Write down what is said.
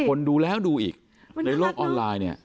คนดูแล้วดูอีกในโลกออนไลน์เนี่ย